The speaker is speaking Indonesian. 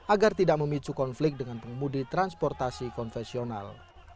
agar tidak memicu konflik dengan pengemudi transportasi konvensional